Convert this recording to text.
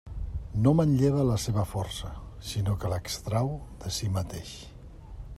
No manlleva la seva força, sinó que l'extrau de si mateix.